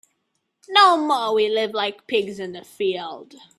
No more we live like pigs in the field.